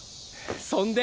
そんで。